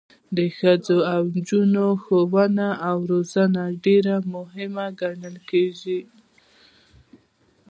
د ښځو او نجونو ښوونه او روزنه ډیره مهمه ګڼل کیږي.